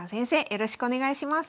よろしくお願いします。